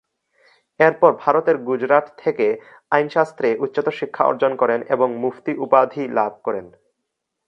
এরপর ভারতের গুজরাট থেকে আইনশাস্ত্রে উচ্চতর শিক্ষা অর্জন করেন এবং মুফতি উপাধি লাভ করেন।